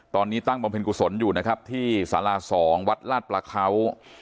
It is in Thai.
ตอนนี้ตั้งบำเพ็ญกุศลอยู่นะครับที่สารา๒วัดลาดประเขา